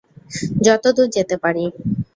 যতদূর যেতে পারি।